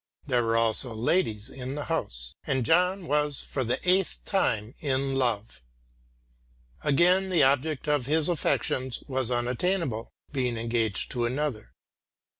There were also ladies in the house, and John was for the eighth time in love. Again the object of his affections was unattainable, being engaged to another.